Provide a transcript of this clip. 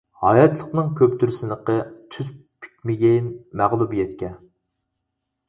ھاياتلىقنىڭ كۆپتۇر سىنىقى، تىز پۈكمىگىن مەغلۇبىيەتكە.